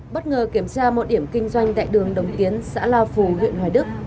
bất ngờ kiểm tra một điểm kinh doanh đại đường đồng kiến xã lào phủ huyện hoài đức